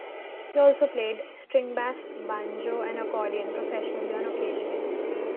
He also played string bass, banjo, and accordion professionally on occasion.